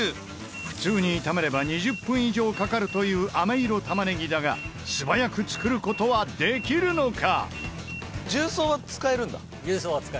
普通に炒めれば２０分以上かかるという飴色玉ねぎだが素早く作る事はできるのか？